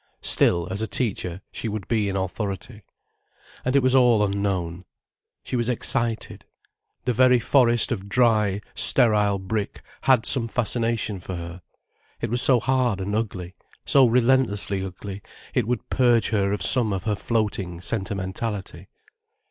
Still, as a teacher, she would be in authority. And it was all unknown. She was excited. The very forest of dry, sterile brick had some fascination for her. It was so hard and ugly, so relentlessly ugly, it would purge her of some of her floating sentimentality.